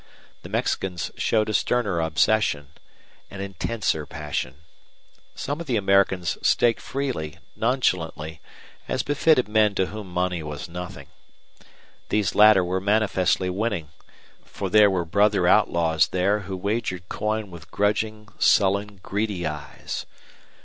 The Mexicans showed a sterner obsession, an intenser passion. Some of the Americans staked freely, nonchalantly, as befitted men to whom money was nothing. These latter were manifestly winning, for there were brother outlaws there who wagered coin with grudging, sullen, greedy eyes.